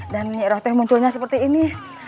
dan nyiiroh teh munculnya seperti ini